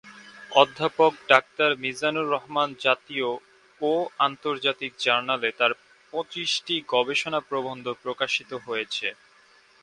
অধ্যাপক ডাক্তারমীজানুর রহমান জাতীয় ও আন্তর্জাতিক জার্নালে তার পঁচিশটি গবেষণা প্রবন্ধ প্রকাশিত হয়েছে।